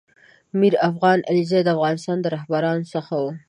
میر افغان علیزی دافغانستان د رهبرانو څخه و